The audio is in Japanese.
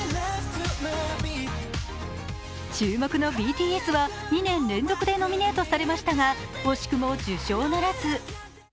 注目のＢＴＳは２年連続でノミネートされましたが、惜しくも受賞ならず。